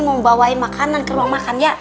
mau bawain makanan ke ruang makan ya